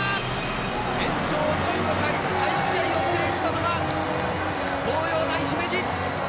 延長１５回再試合を制したのは東洋大姫路！